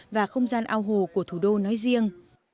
và không gian ao hồ của thủ đô nói riêng